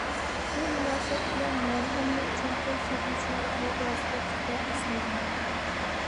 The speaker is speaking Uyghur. بۇ مۇناسىۋەت بىلەن مەرھۇمنى چوڭقۇر سېغىنىش ۋە قايغۇ-ھەسرەت ئىچىدە ئەسلەيمەن.